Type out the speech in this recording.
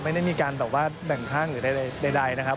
ไม่ได้มีการแบ่งข้างใดนะครับ